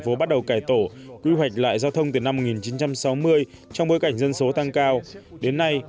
phố bắt đầu cải tổ quy hoạch lại giao thông từ năm một nghìn chín trăm sáu mươi trong bối cảnh dân số tăng cao đến nay